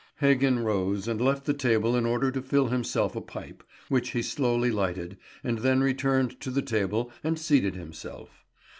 Heggen rose, and left the table in order to fill himself a pipe, which he slowly lighted, and then returned to the table and seated himself.